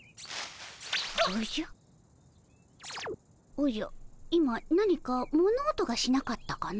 おじゃ今何か物音がしなかったかの？